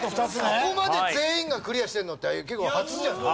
ここまで全員がクリアしてるのって結構初じゃない？